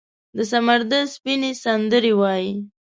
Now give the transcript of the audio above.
د سمندر سپینې، سندرې وایې